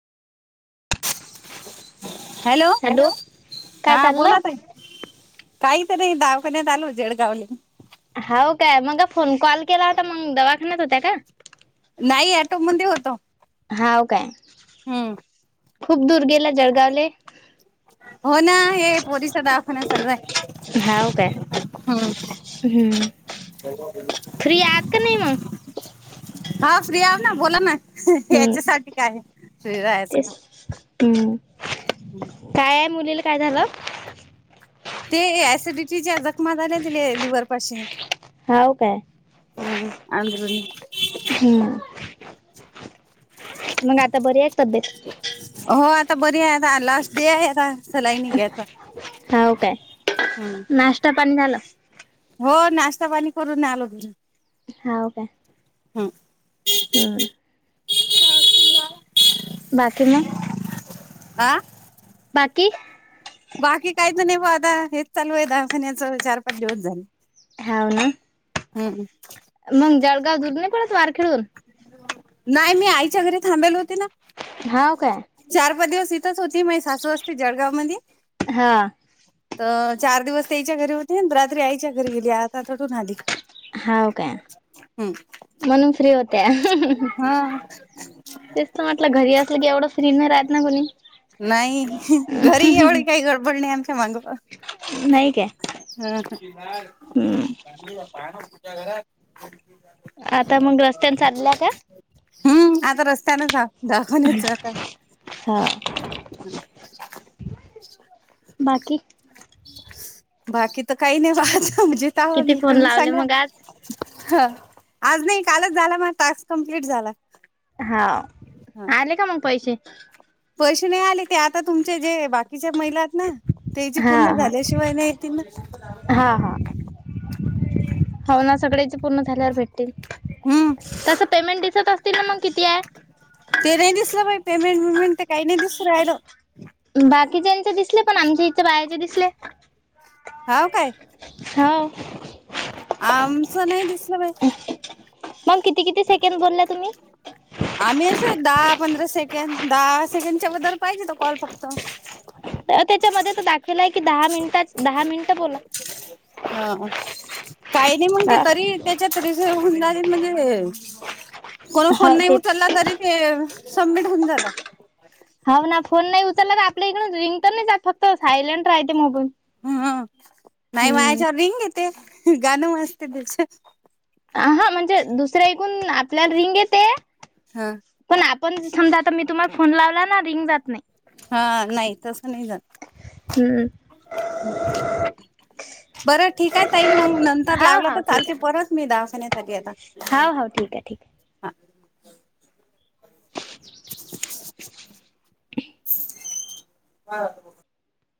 Hello, काय हा चाललं बोला ताई. कायी त नाई, दावखान्यात आलो जेडगावले. हाव काय? मंगा फोन कॉल केलावता मंग दवाखान्यात होत्या का? नायी, ॲटोमंदे होतो. हाव काय? हंम. खूप दूर गेला जळगावले. हो ना, हे पोरीचा दावाखाना चालू आय. हाव काय [inaudible] हं. हम्म, [inaudible] फ्री आआत का नाही म? हा फ्री आऊ ना, बोला ना, हही हम्म याच्यासाठी काय? फ्री राआयचं का? हम्, कायाय? मुलीला काय झालं? ते ऍसिडिच्या जग मा झाले दिले लिवर पाशी, हाव काय हं हं आजरून. हं, मग आता बरी हाय तब्येत? हो आता बरी आहे. आता लास्ट डे आहे आता. हाव काय? हं. नाश्ता पाणी झालं? हो. नाश्ता पाणी करून आलो मी. हाव का? हं. बाकी मग? अं बाकी बाकी काहीच नाही बघ. आता हेच चालू आहे, दखान्याच चार पाच दिवस झाले. हाव ना. हं हं मग, जळगाव दूर नाही पडत वार खेळून. नाही. मी आईच्या घरी थांबल हो. हाव काय? चार पाच दिवस इथंच होती. माझी सासू असते जळगाव मध्ये. हां तर चार दिवस ताईच्या घरी होती. रात्री आईच्या घरी गेली, आता तिथून आली. हाव काय? हम्म म्हणून फ्री होत्या. हा तेच तर म्हटलं घरी असलं की, एवढं फ्री नाही राहत ना कोणी? नाही. घरी एवढी काही गडबड नाही. आमच्या माग नाही काय हं हम्म हं पाण्या सुट्या घरा [inaudible] आता मगं रस्त्याने चालल्या का? हं. आज रस्त्यानच ह दाखवूनच जा आता. हा बाकी बाकी तर काही नाही. पाहत म्हणजे तवा किती मी फोन लावले मग आज हं, आज नाही कालच झाला, माझा टास्क कंप्लीट झाला. हां, हा आले का मग पैसे? पैसे नाही आले. ते आता तुमचे जे बाकीच्या महिला आहेत ना ते जी हा पूर्ण हा झाल्याशिवाय नाही येतील ना! हा हा हो ना सगळयाच पूर्ण झाल्यावर भेटतील. हम्म तसं पेमेंट दिसत असतील ना मग किती आहे? ते नाही दिसलं बाई पेमेंट वेमेंट, तर काही नाही दिसू राहिल. बाकीच्यांचे दिसले. पण आमच्या ईथे बायाचे दिसले. हाव काय? हाव आमचं नाही दिसलं बाई! मग, किती किती सेकंद बोलला तुम्ही? आम्ही असं दहा पंधरा सेकंद, दहा सेकंदाच्या वर पाहिजे तो कॉल फक्त अं, त्याच्यामध्ये दाखवला आहे दहा मिनिटेच, दहा मिनिट बोला. हां काही नाही मग, ते हा तरी त्याच्याति हंड म्हणजे कोण फोन हो नाही ते उचलला तरी, ते सबमिट होऊन जातात. हाव ना. फोन नाही उचलला तर, आपल्या इकडून रिंग तर नाही जात. फक्त सायलेंट राहते मोबाईल. हम्म नाही हम्म. माच्यावर रिंग येते गाणं वाजते त्याच्यात. आ हा म्हणजे दुसर्या इकून आपल्याला रिंग येते. हा पण आपण समजा आता मी तुम्हाला फोन लावला ना रिंग जात नाही. हा नाही तसं नाही जात. हम्म बरं ठीक आहे ताई मग नंतर हाव लावलं हाव तर ठीक चालते आहे परत मी दवाखान्यात. आली आता हा हाव हाव ठीक आहे ठीक आहे. हा